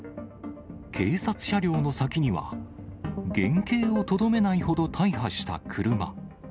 警察車両の先には、原形をとどめないほど大破した車。